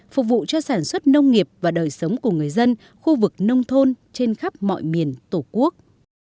phục vụ cho sản xuất nông nghiệp và đời sống của người dân khu vực nông thôn trên khắp mọi miền tổ quốc